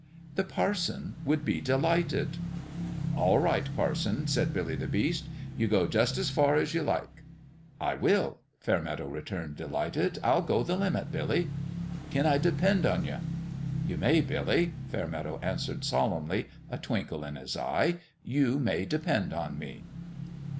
The parson would be delighted ! "All right, parson," said Billy the Beast; " yu g J us> as f ar as y u like." "I will!" Fairmeadow returned, delighted. " I'll go the limit, Billy !" "Kin I depend on ye?" "You may, Billy," Fairmeadow answered, solemnly, a twinkle in his eye ;" you may de pend on me."